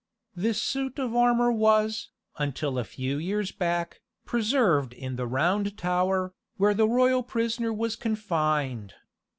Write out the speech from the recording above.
This suit of armour was, until a few years back, preserved in the Round Tower, where the royal prisoner was confined.